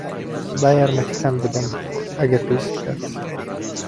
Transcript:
با یارمەتیتان بدەم، ئەگەر پێویست بکات.